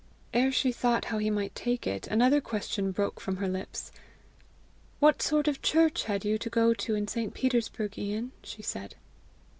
Ere she thought how he might take it, another question broke from her lips. "What sort of church had you to go to in St. Petersburg, Ian?" she said.